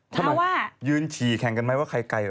เขาบอกว่ายืนฉี่แข่งกันไหมว่าใครไก่